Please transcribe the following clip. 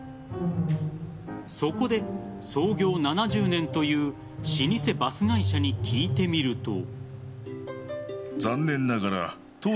そこで創業７０年という老舗バス会社に聞いてみると。